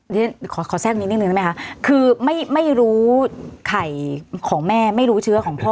นี่ขอแทรกนิดหนึ่งหนึ่งนะไหมคะคือไม่ไม่รู้ไข่ของแม่ไม่รู้เชื้อของพ่อ